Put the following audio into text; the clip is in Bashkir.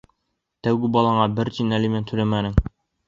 Тәүге балаңа бер тин алимент түләмәнең.